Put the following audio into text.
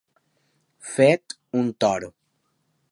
Fet un toro.